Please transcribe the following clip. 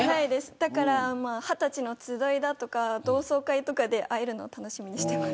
だから二十歳の集いだとか同窓会とかで会えるのを楽しみにしています。